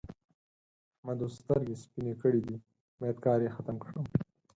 احمد اوس سترګې سپينې کړې دي؛ بايد کار يې ختم کړم.